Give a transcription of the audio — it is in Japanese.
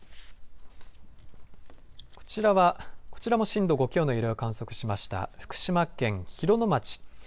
こちらも震度５強の揺れを観測しました福島県広野町。